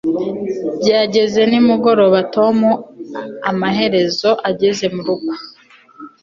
byageze nimugoroba tom amaherezo ageze murugo